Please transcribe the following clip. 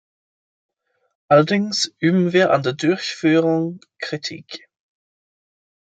Allerdings üben wir an der Durchführung Kritik.